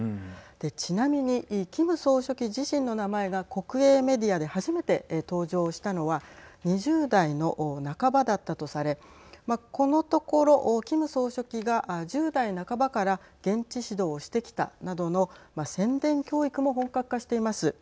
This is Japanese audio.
ちなみにキム総書記自身の名前が国営メディアで初めて登場したのは２０代の半ばだったとされこのところキム総書記が１０代半ばから現地指導してきたなどの宣伝教育も本格化しています。